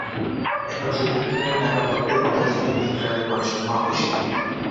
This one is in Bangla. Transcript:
এখন সেতু নির্মাণে টাকা বরাদ্দের কথা জেনে তিন গ্রামের মানুষ মহাখুশি।